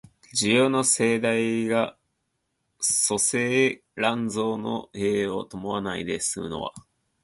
需要の盛大が粗製濫造の弊を伴わないで済むのは、